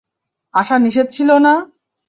আসা নিষেধ ছিল না?